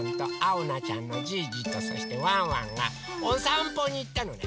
おなちゃんのじいじとそしてワンワンがおさんぽにいったのね。